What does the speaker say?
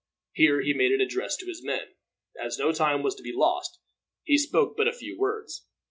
Here he made an address to his men. As no time was to be lost, he spoke but a few words.